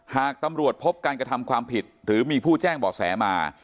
หากตำรวจพบการกระทำความผิดหรือมีผู้แจ้งเบาะแสมา